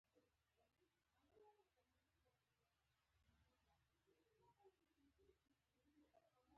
دوی په خاورو کې تمرین کوي.